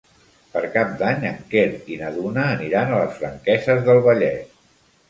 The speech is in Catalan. Per Cap d'Any en Quer i na Duna aniran a les Franqueses del Vallès.